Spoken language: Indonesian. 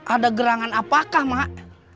ada gerangan apakah mak